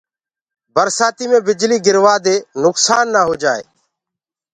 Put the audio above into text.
برسآتيٚ مينٚ بِجليٚ گرجوآ دي نُڪسآن نآ هوجآئي۔